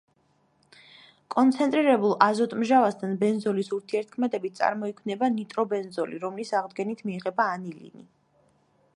კონცენტრირებულ აზოტმჟავასთან ბენზოლის ურთიერთქმედებით წარმოიქმნება ნიტრობენზოლი, რომლის აღდგენით მიიღება ანილინი.